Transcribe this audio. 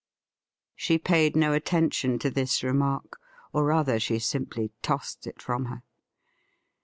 She paid no attention to this remark, or, rather, she simply tossed it from her.